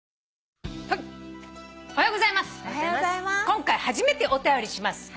今回初めてお便りします」